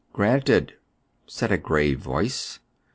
" Granted," said a grave voice.